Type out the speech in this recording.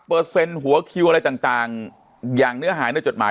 เปอร์เซ็นต์หัวอะไรต่างอย่างเนื้อหาในจดหมาย